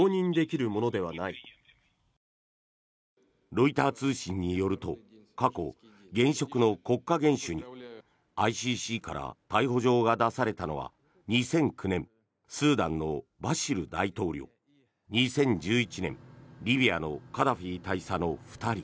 ロイター通信によると過去、現職の国家元首にＩＣＣから逮捕状が出されたのは２００９年スーダンのバシル大統領２０１１年、リビアのカダフィ大佐の２人。